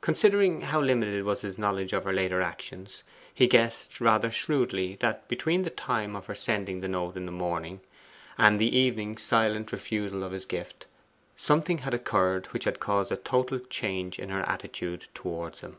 Considering how limited was his knowledge of her later actions, he guessed rather shrewdly that, between the time of her sending the note in the morning and the evening's silent refusal of his gift, something had occurred which had caused a total change in her attitude towards him.